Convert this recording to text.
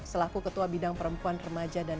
selaku ketua bidang perempuan remaja dan